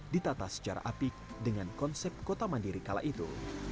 ditata secara apik dengan konsep kota mandiri kala itu